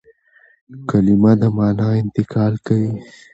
کلیمه د مانا انتقال کوي.